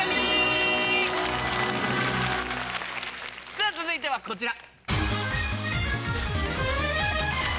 さぁ続いてはこちら。